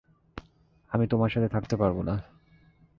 আমি তোমার সাথে থাকতে পারব না।